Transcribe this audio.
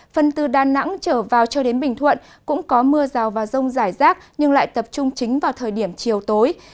phần từ đà nẵng trở vào cho đến bình thuận cũng có mưa rào và rông rải rác nhưng lại tập trung chính vào thời điểm chiều tối